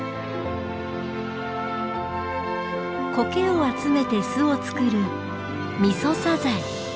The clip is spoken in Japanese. コケを集めて巣を作るミソサザイ。